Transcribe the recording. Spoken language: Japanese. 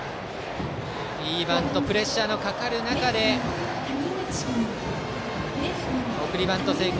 いいバントプレッシャーのかかる中で送りバント成功。